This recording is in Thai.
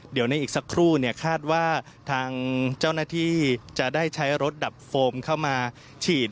เดี๋ยวในอีกสักครู่คาดว่าทางเจ้าหน้าที่จะได้ใช้รถดับโฟมเข้ามาฉีด